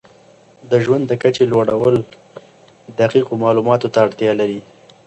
د ژوند د کچې لوړول دقیقو معلوماتو ته اړتیا لري.